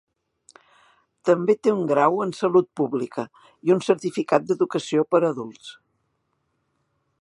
També té un grau en salut pública i un certificat d'educació per a adults.